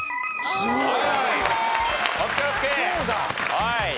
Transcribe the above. はい。